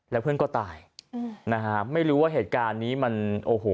แล้วเพื่อนก็ตายอืมนะฮะไม่รู้ว่าเหตุการณ์นี้มันโอ้โห